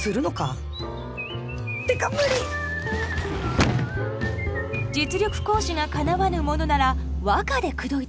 実力行使がかなわぬものなら和歌で口説いてきます。